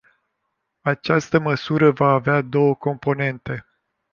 Această măsură va avea două componente.